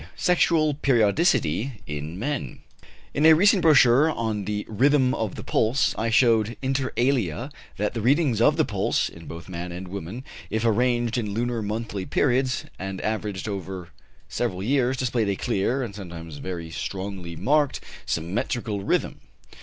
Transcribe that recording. SEXUAL PERIODICITY IN MEN. BY F.H. PERRY COSTE, B. Sc. (LOND.). In a recent brochure on the "Rhythm of the Pulse" I showed inter alia that the readings of the pulse, in both man and woman, if arranged in lunar monthly periods, and averaged over several years, displayed a clear, and sometimes very strongly marked and symmetrical, rhythm.